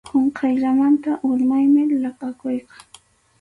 Qunqayllamanta urmaymi laqʼakuyqa.